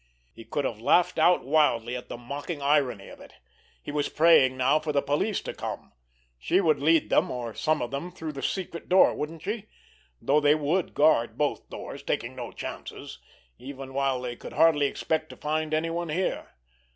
He could have laughed out wildly at the mocking irony of it. He was praying now for the police to come! She would lead them, or some of them, through that secret door, wouldn't she?—though they would guard both doors, take no chances, even while they would hardly expect to find anyone here.